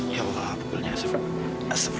ya allah pukulnya sepuluh jam